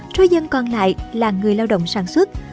trôi dân còn lại là người lao động sản xuất